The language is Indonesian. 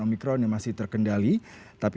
omikron yang masih terkendali tapi